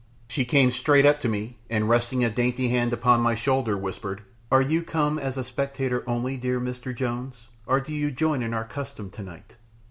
She came straight up to me, and, resting a dainty hand upon my shoulder, whispered, "Are you come as a spectator only, dear Mr. Jones, or do you join in our custom tonight?"